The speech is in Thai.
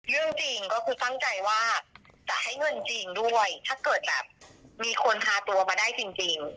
เรื่องจริงก็คือตั้งใจว่าจะให้เงินจริงด้วยถ้าเกิดแบบมีคนพาตัวมาได้จริง